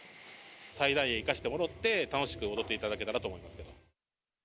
最大限生かしてもらって、楽しく踊っていただけたらと思いますけど。